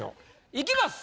いきます。